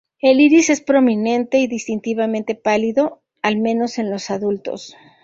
El iris es prominente y distintivamente pálido, al menos en los adultos.